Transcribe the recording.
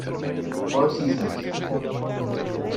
Four Seasons.